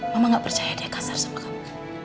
mama gak percaya dia kasar sama kamu